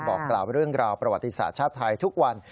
บอกกล่าวเรื่องราวประวัติศาสตร์ชาติไทยทุกวัน